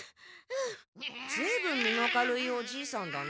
ずいぶん身の軽いおじいさんだね。